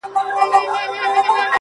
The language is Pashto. یو کس تېر کال شهید شو